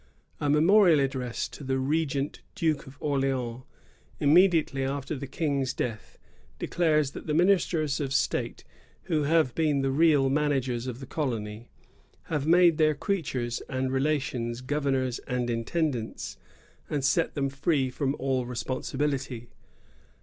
A memorial addressed to the regent duke of Orleans, immediately after the King's death, declares that the ministers of state, who have been the real managers of the colony, have made their creatures and relations governors and intendants, and set them free from aU responsibility.